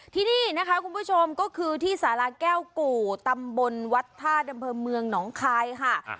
ที่นี่นะคะคุณผู้ชมก็คือที่สาราแก้วกู่ตำบลวัดธาตุดำเภเมืองหนองคายค่ะ